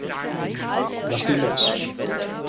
Lass sie los.